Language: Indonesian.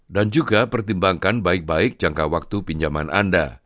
dan juga pertimbangkan baik baik jangka waktu pinjaman anda